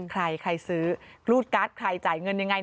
ใครใครซื้อรูดการ์ดใครจ่ายเงินยังไง